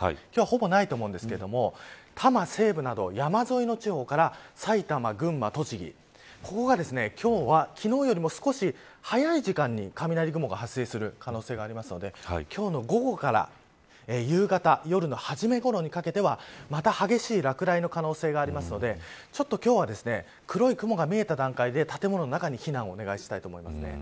今日はほぼないと思うんですけど多摩西部など、山沿いの地方から埼玉、群馬、栃木ここが昨日よりも少し早い時間に雷雲が発生する可能性があるので今日の午後から夕方夜の初めごろにかけてはまた激しい落雷の可能性があるので今日は黒い雲が見えた段階で建物の中に避難をお願いします。